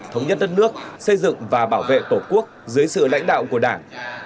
thống nhất đất nước xây dựng và bảo vệ tổ quốc dưới sự lãnh đạo của đảng